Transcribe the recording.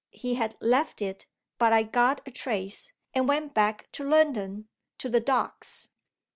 He had left it; but I got a trace, and went back to London to the Docks.